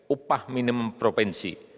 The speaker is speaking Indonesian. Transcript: ump upah minimum provinsi